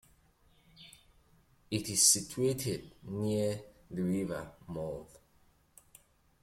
It is situated near the river Mulde.